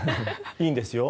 いいんですよ。